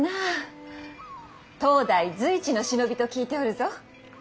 当代随一の忍びと聞いておるぞ。